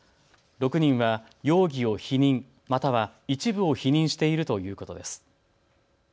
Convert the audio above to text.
６人は容疑を否認、または一部を否認しているということです。